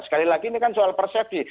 sekali lagi ini kan soal persepsi